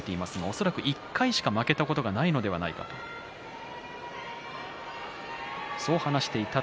恐らく１回しか負けたことがないのではないかと話していました。